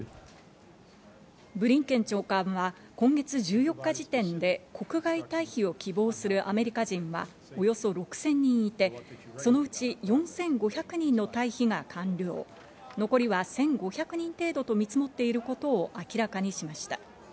ブリンケン長官は、今月１４日時点で国外退避を希望するアメリカ人はおよそ６０００人いて、そのうち４５００人の退避が完了、残りは１５００人程度と見積もっていることを明らかにしました。